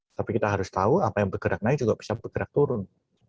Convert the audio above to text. tapi kita harus tahu apa yang bergerak naik juga bisa bergerak turun